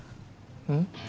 うん？